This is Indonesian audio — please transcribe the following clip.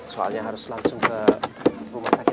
soalnya harus langsung ke rumah sakit